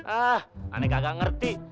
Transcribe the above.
ah aneh gak ngerti